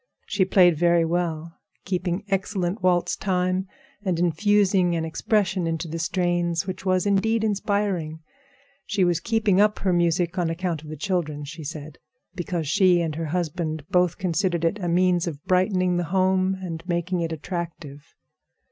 She played very well, keeping excellent waltz time and infusing an expression into the strains which was indeed inspiring. She was keeping up her music on account of the children, she said; because she and her husband both considered it a means of brightening the home and making it attractive.